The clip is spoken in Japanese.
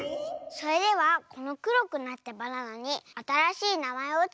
それではこのくろくなったバナナにあたらしいなまえをつけて。